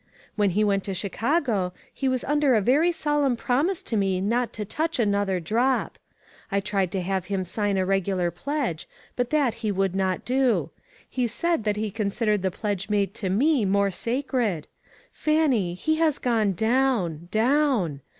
When he went to Chicago, 4/O ONE COMMONPLACE DAY. he was under a very solemn promise to me not to touch another drop. I tried to have him sign a regular pledge ; but that he would not do. He said that he considered the pledge made to me more sacred. Fan nie, he has gone down! down!